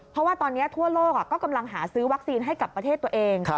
เพราะว่าตอนนี้ทั่วโลกก็กำลังหาซื้อวัคซีนให้กับประเทศตัวเอง